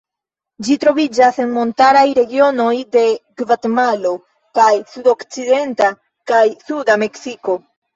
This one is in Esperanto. Ĝi troviĝas en montaraj regionoj de Gvatemalo kaj sudokcidenta kaj suda Meksiko.